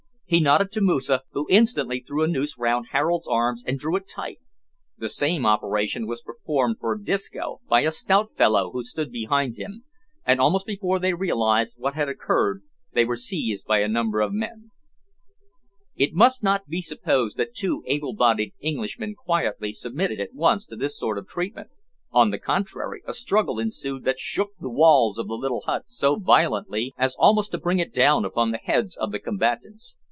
He nodded to Moosa, who instantly threw a noose round Harold's arms, and drew it tight. The same operation was performed for Disco, by a stout fellow who stood behind him, and almost before they realised what had occurred, they were seized by a number of men. It must not be supposed that two able bodied Englishmen quietly submitted at once to this sort of treatment. On the contrary, a struggle ensued that shook the walls of the little hut so violently as almost to bring it down upon the heads of the combatants.